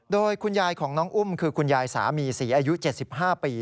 โดยคุณยายของน้องอุ้มคือคุณยายสามีศรีอายุ๗๕ปี